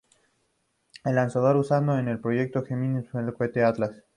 El lanzador usado en el Proyecto Gemini fue el cohete Atlas.